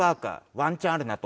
「ワンチャンあるな」。